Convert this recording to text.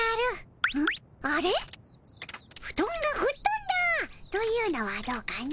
「フトンがふっとんだ」というのはどうかの？